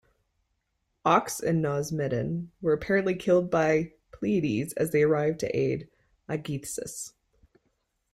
Oeax and Nausimedon were apparently killed by Pylades as they arrived to aid Aegisthus.